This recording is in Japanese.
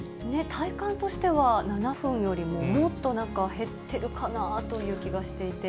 体感としては７分よりももっとなんか、減ってるかなぁという気がしていて。